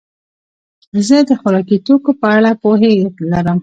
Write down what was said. زه د خوراکي توکو په اړه پوهه لرم.